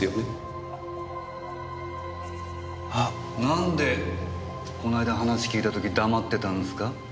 なんでこの間話聞いた時黙ってたんですか？